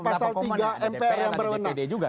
pasal tiga mpr yang berwenang